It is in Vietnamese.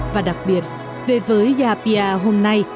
và đặc biệt về với gia pia hôm nay